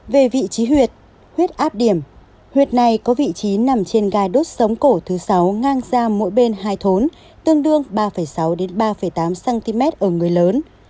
về vị trí huyện huyết áp điểm huyện này có vị trí nằm trên gai đốt sống cổ thứ sáu ngang ra mỗi bên hai thốn tương đương ba sáu đến ba tám cm ở người lớn